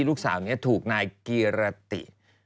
ลูกสาวนี้ถูกนายกีรติ